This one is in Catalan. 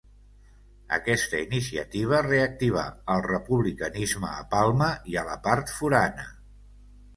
Aquesta iniciativa reactivà el republicanisme a Palma i a la Part Forana.